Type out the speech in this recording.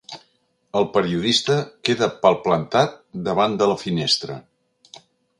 El periodista queda palplantat davant de la finestra.